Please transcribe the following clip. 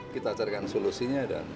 kita carikan solusinya dan